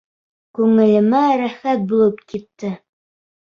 Күңелемә рәхәт булып китте.